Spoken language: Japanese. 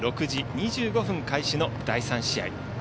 ６時２５分開始の第３試合。